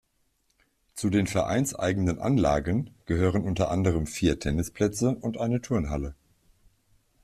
Zu den vereinseigenen Anlagen gehören unter anderem vier Tennisplätze und eine Turnhalle.